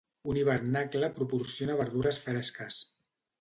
Un hivernacle proporciona verdures fresques.